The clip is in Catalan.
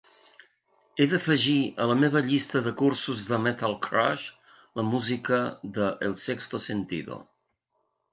He d'afegir a la meva llista de cursos de metal crash la música de "El sexto sentido"